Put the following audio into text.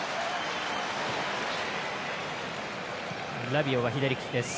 ラビオは左利きです。